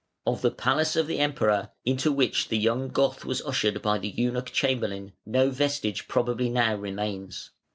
] Of the palace of the Emperor, into which the young Goth was ushered by the eunuch chamberlain, no vestige probably now remains.